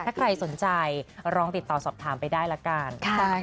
ถ้าใครสนใจลองติดต่อสอบถามไปได้ละกัน